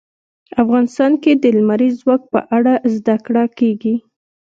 افغانستان کې د لمریز ځواک په اړه زده کړه کېږي.